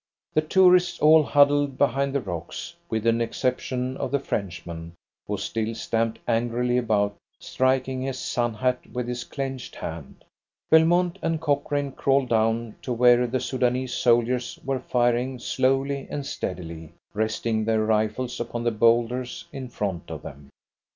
The tourists all huddled behind the rocks, with the exception of the Frenchman, who still stamped angrily about, striking his sun hat with his clenched hand. Belmont and Cochrane crawled down to where the Soudanese soldiers were firing slowly and steadily, resting their rifles upon the boulders in front of them.